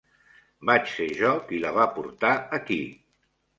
Vaig ser jo qui la va portar aquí.